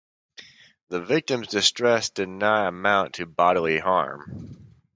The victim's distress did not amount to bodily harm.